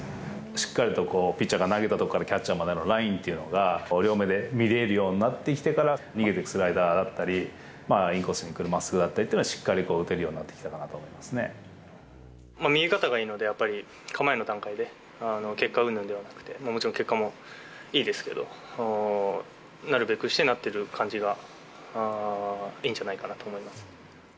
しっかりとこう、ピッチャーが投げた所からキャッチャーまでのラインっていうのが両目で見れるようになってきてから、逃げてくスライダーだったり、インコースに来るまっすぐだったりをしっかりと打てるようになっ見え方がいいので、やっぱり、構えの段階で、結果うんぬんではなくて、もうもちろん結果もいいですけど、なるべくしてなってる感じがいいんじゃないかなと思います。